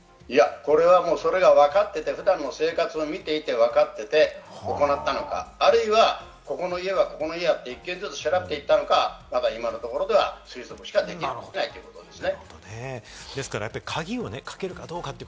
これはもうそれが分かってて、２人の生活を見ていて分かっていて行ったのか、あるいは、ここの家はここの家はと１軒ずつ調べていったのか、まだ今のところでは推測しかできないということですね。